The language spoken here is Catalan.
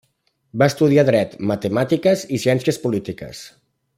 Va estudiar Dret, Matemàtiques i Ciències polítiques.